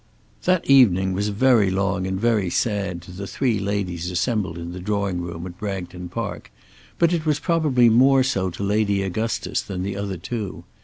That evening was very long and very sad to the three ladies assembled in the drawing room at Bragton Park, but it was probably more so to Lady Augustus than the other two.